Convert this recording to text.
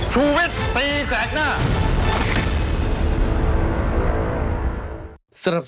ชูเวทตีแสดหน้า